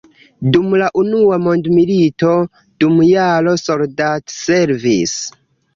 Dum la unua mondmilito dum jaro soldatservis.